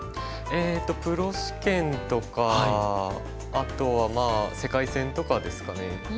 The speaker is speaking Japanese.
えっとプロ試験とかあとはまあ世界戦とかですかね。